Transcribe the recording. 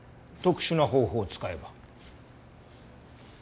特殊な方法を使えば。